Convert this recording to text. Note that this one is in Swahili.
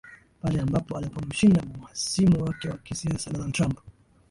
Pale ambapo alipomshinda mhasimu wake wa kisiasa Donald Trump